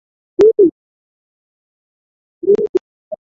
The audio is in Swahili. Rosario wa Argentina alizaliwa tarehe kumi na nne